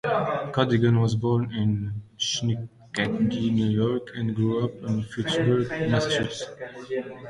Cadigan was born in Schenectady, New York, and grew up in Fitchburg, Massachusetts.